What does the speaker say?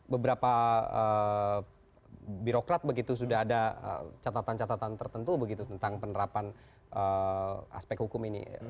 beberapa birokrat begitu sudah ada catatan catatan tertentu begitu tentang penerapan aspek hukum ini